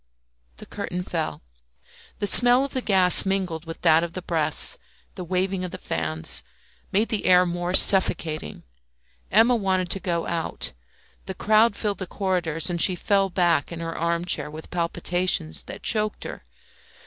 The curtain fell. The smell of the gas mingled with that of the breaths, the waving of the fans, made the air more suffocating. Emma wanted to go out; the crowd filled the corridors, and she fell back in her arm chair with palpitations that choked her.